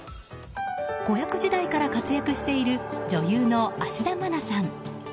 子役時代から活躍している女優の芦田愛菜さん。